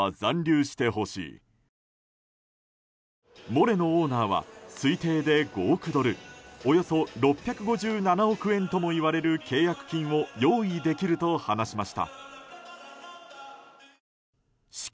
モレノオーナーは推定で５億ドルおよそ６５７億円ともいわれる契約金を用意できると話しました。